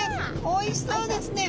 おいしそうですね。